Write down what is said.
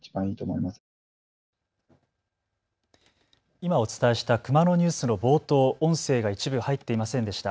今、お伝えしたクマのニュースの冒頭、音声が一部、入っていませんでした。